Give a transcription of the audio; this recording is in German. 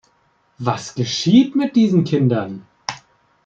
Was geschieht mit diesen Kindern?